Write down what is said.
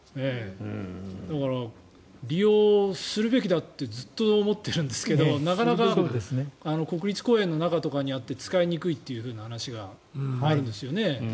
だから、利用するべきだとずっと思っているんですがなかなか国立公園の中とかにあって使いにくいという話があるんですよね。